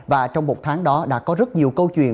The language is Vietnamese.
và trong một tháng đó đã có rất nhiều câu chuyện